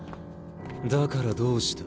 だからどうした？